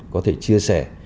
có thể chia sẻ